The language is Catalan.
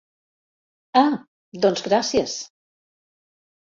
Ah, doncs gràcies.